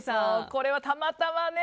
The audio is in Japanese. これはたまたまね。